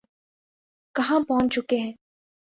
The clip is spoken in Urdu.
کہاں پہنچ چکے ہیں۔